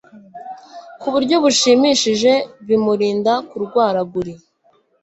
kuburyo bushimishije bimurinda kurwaraguri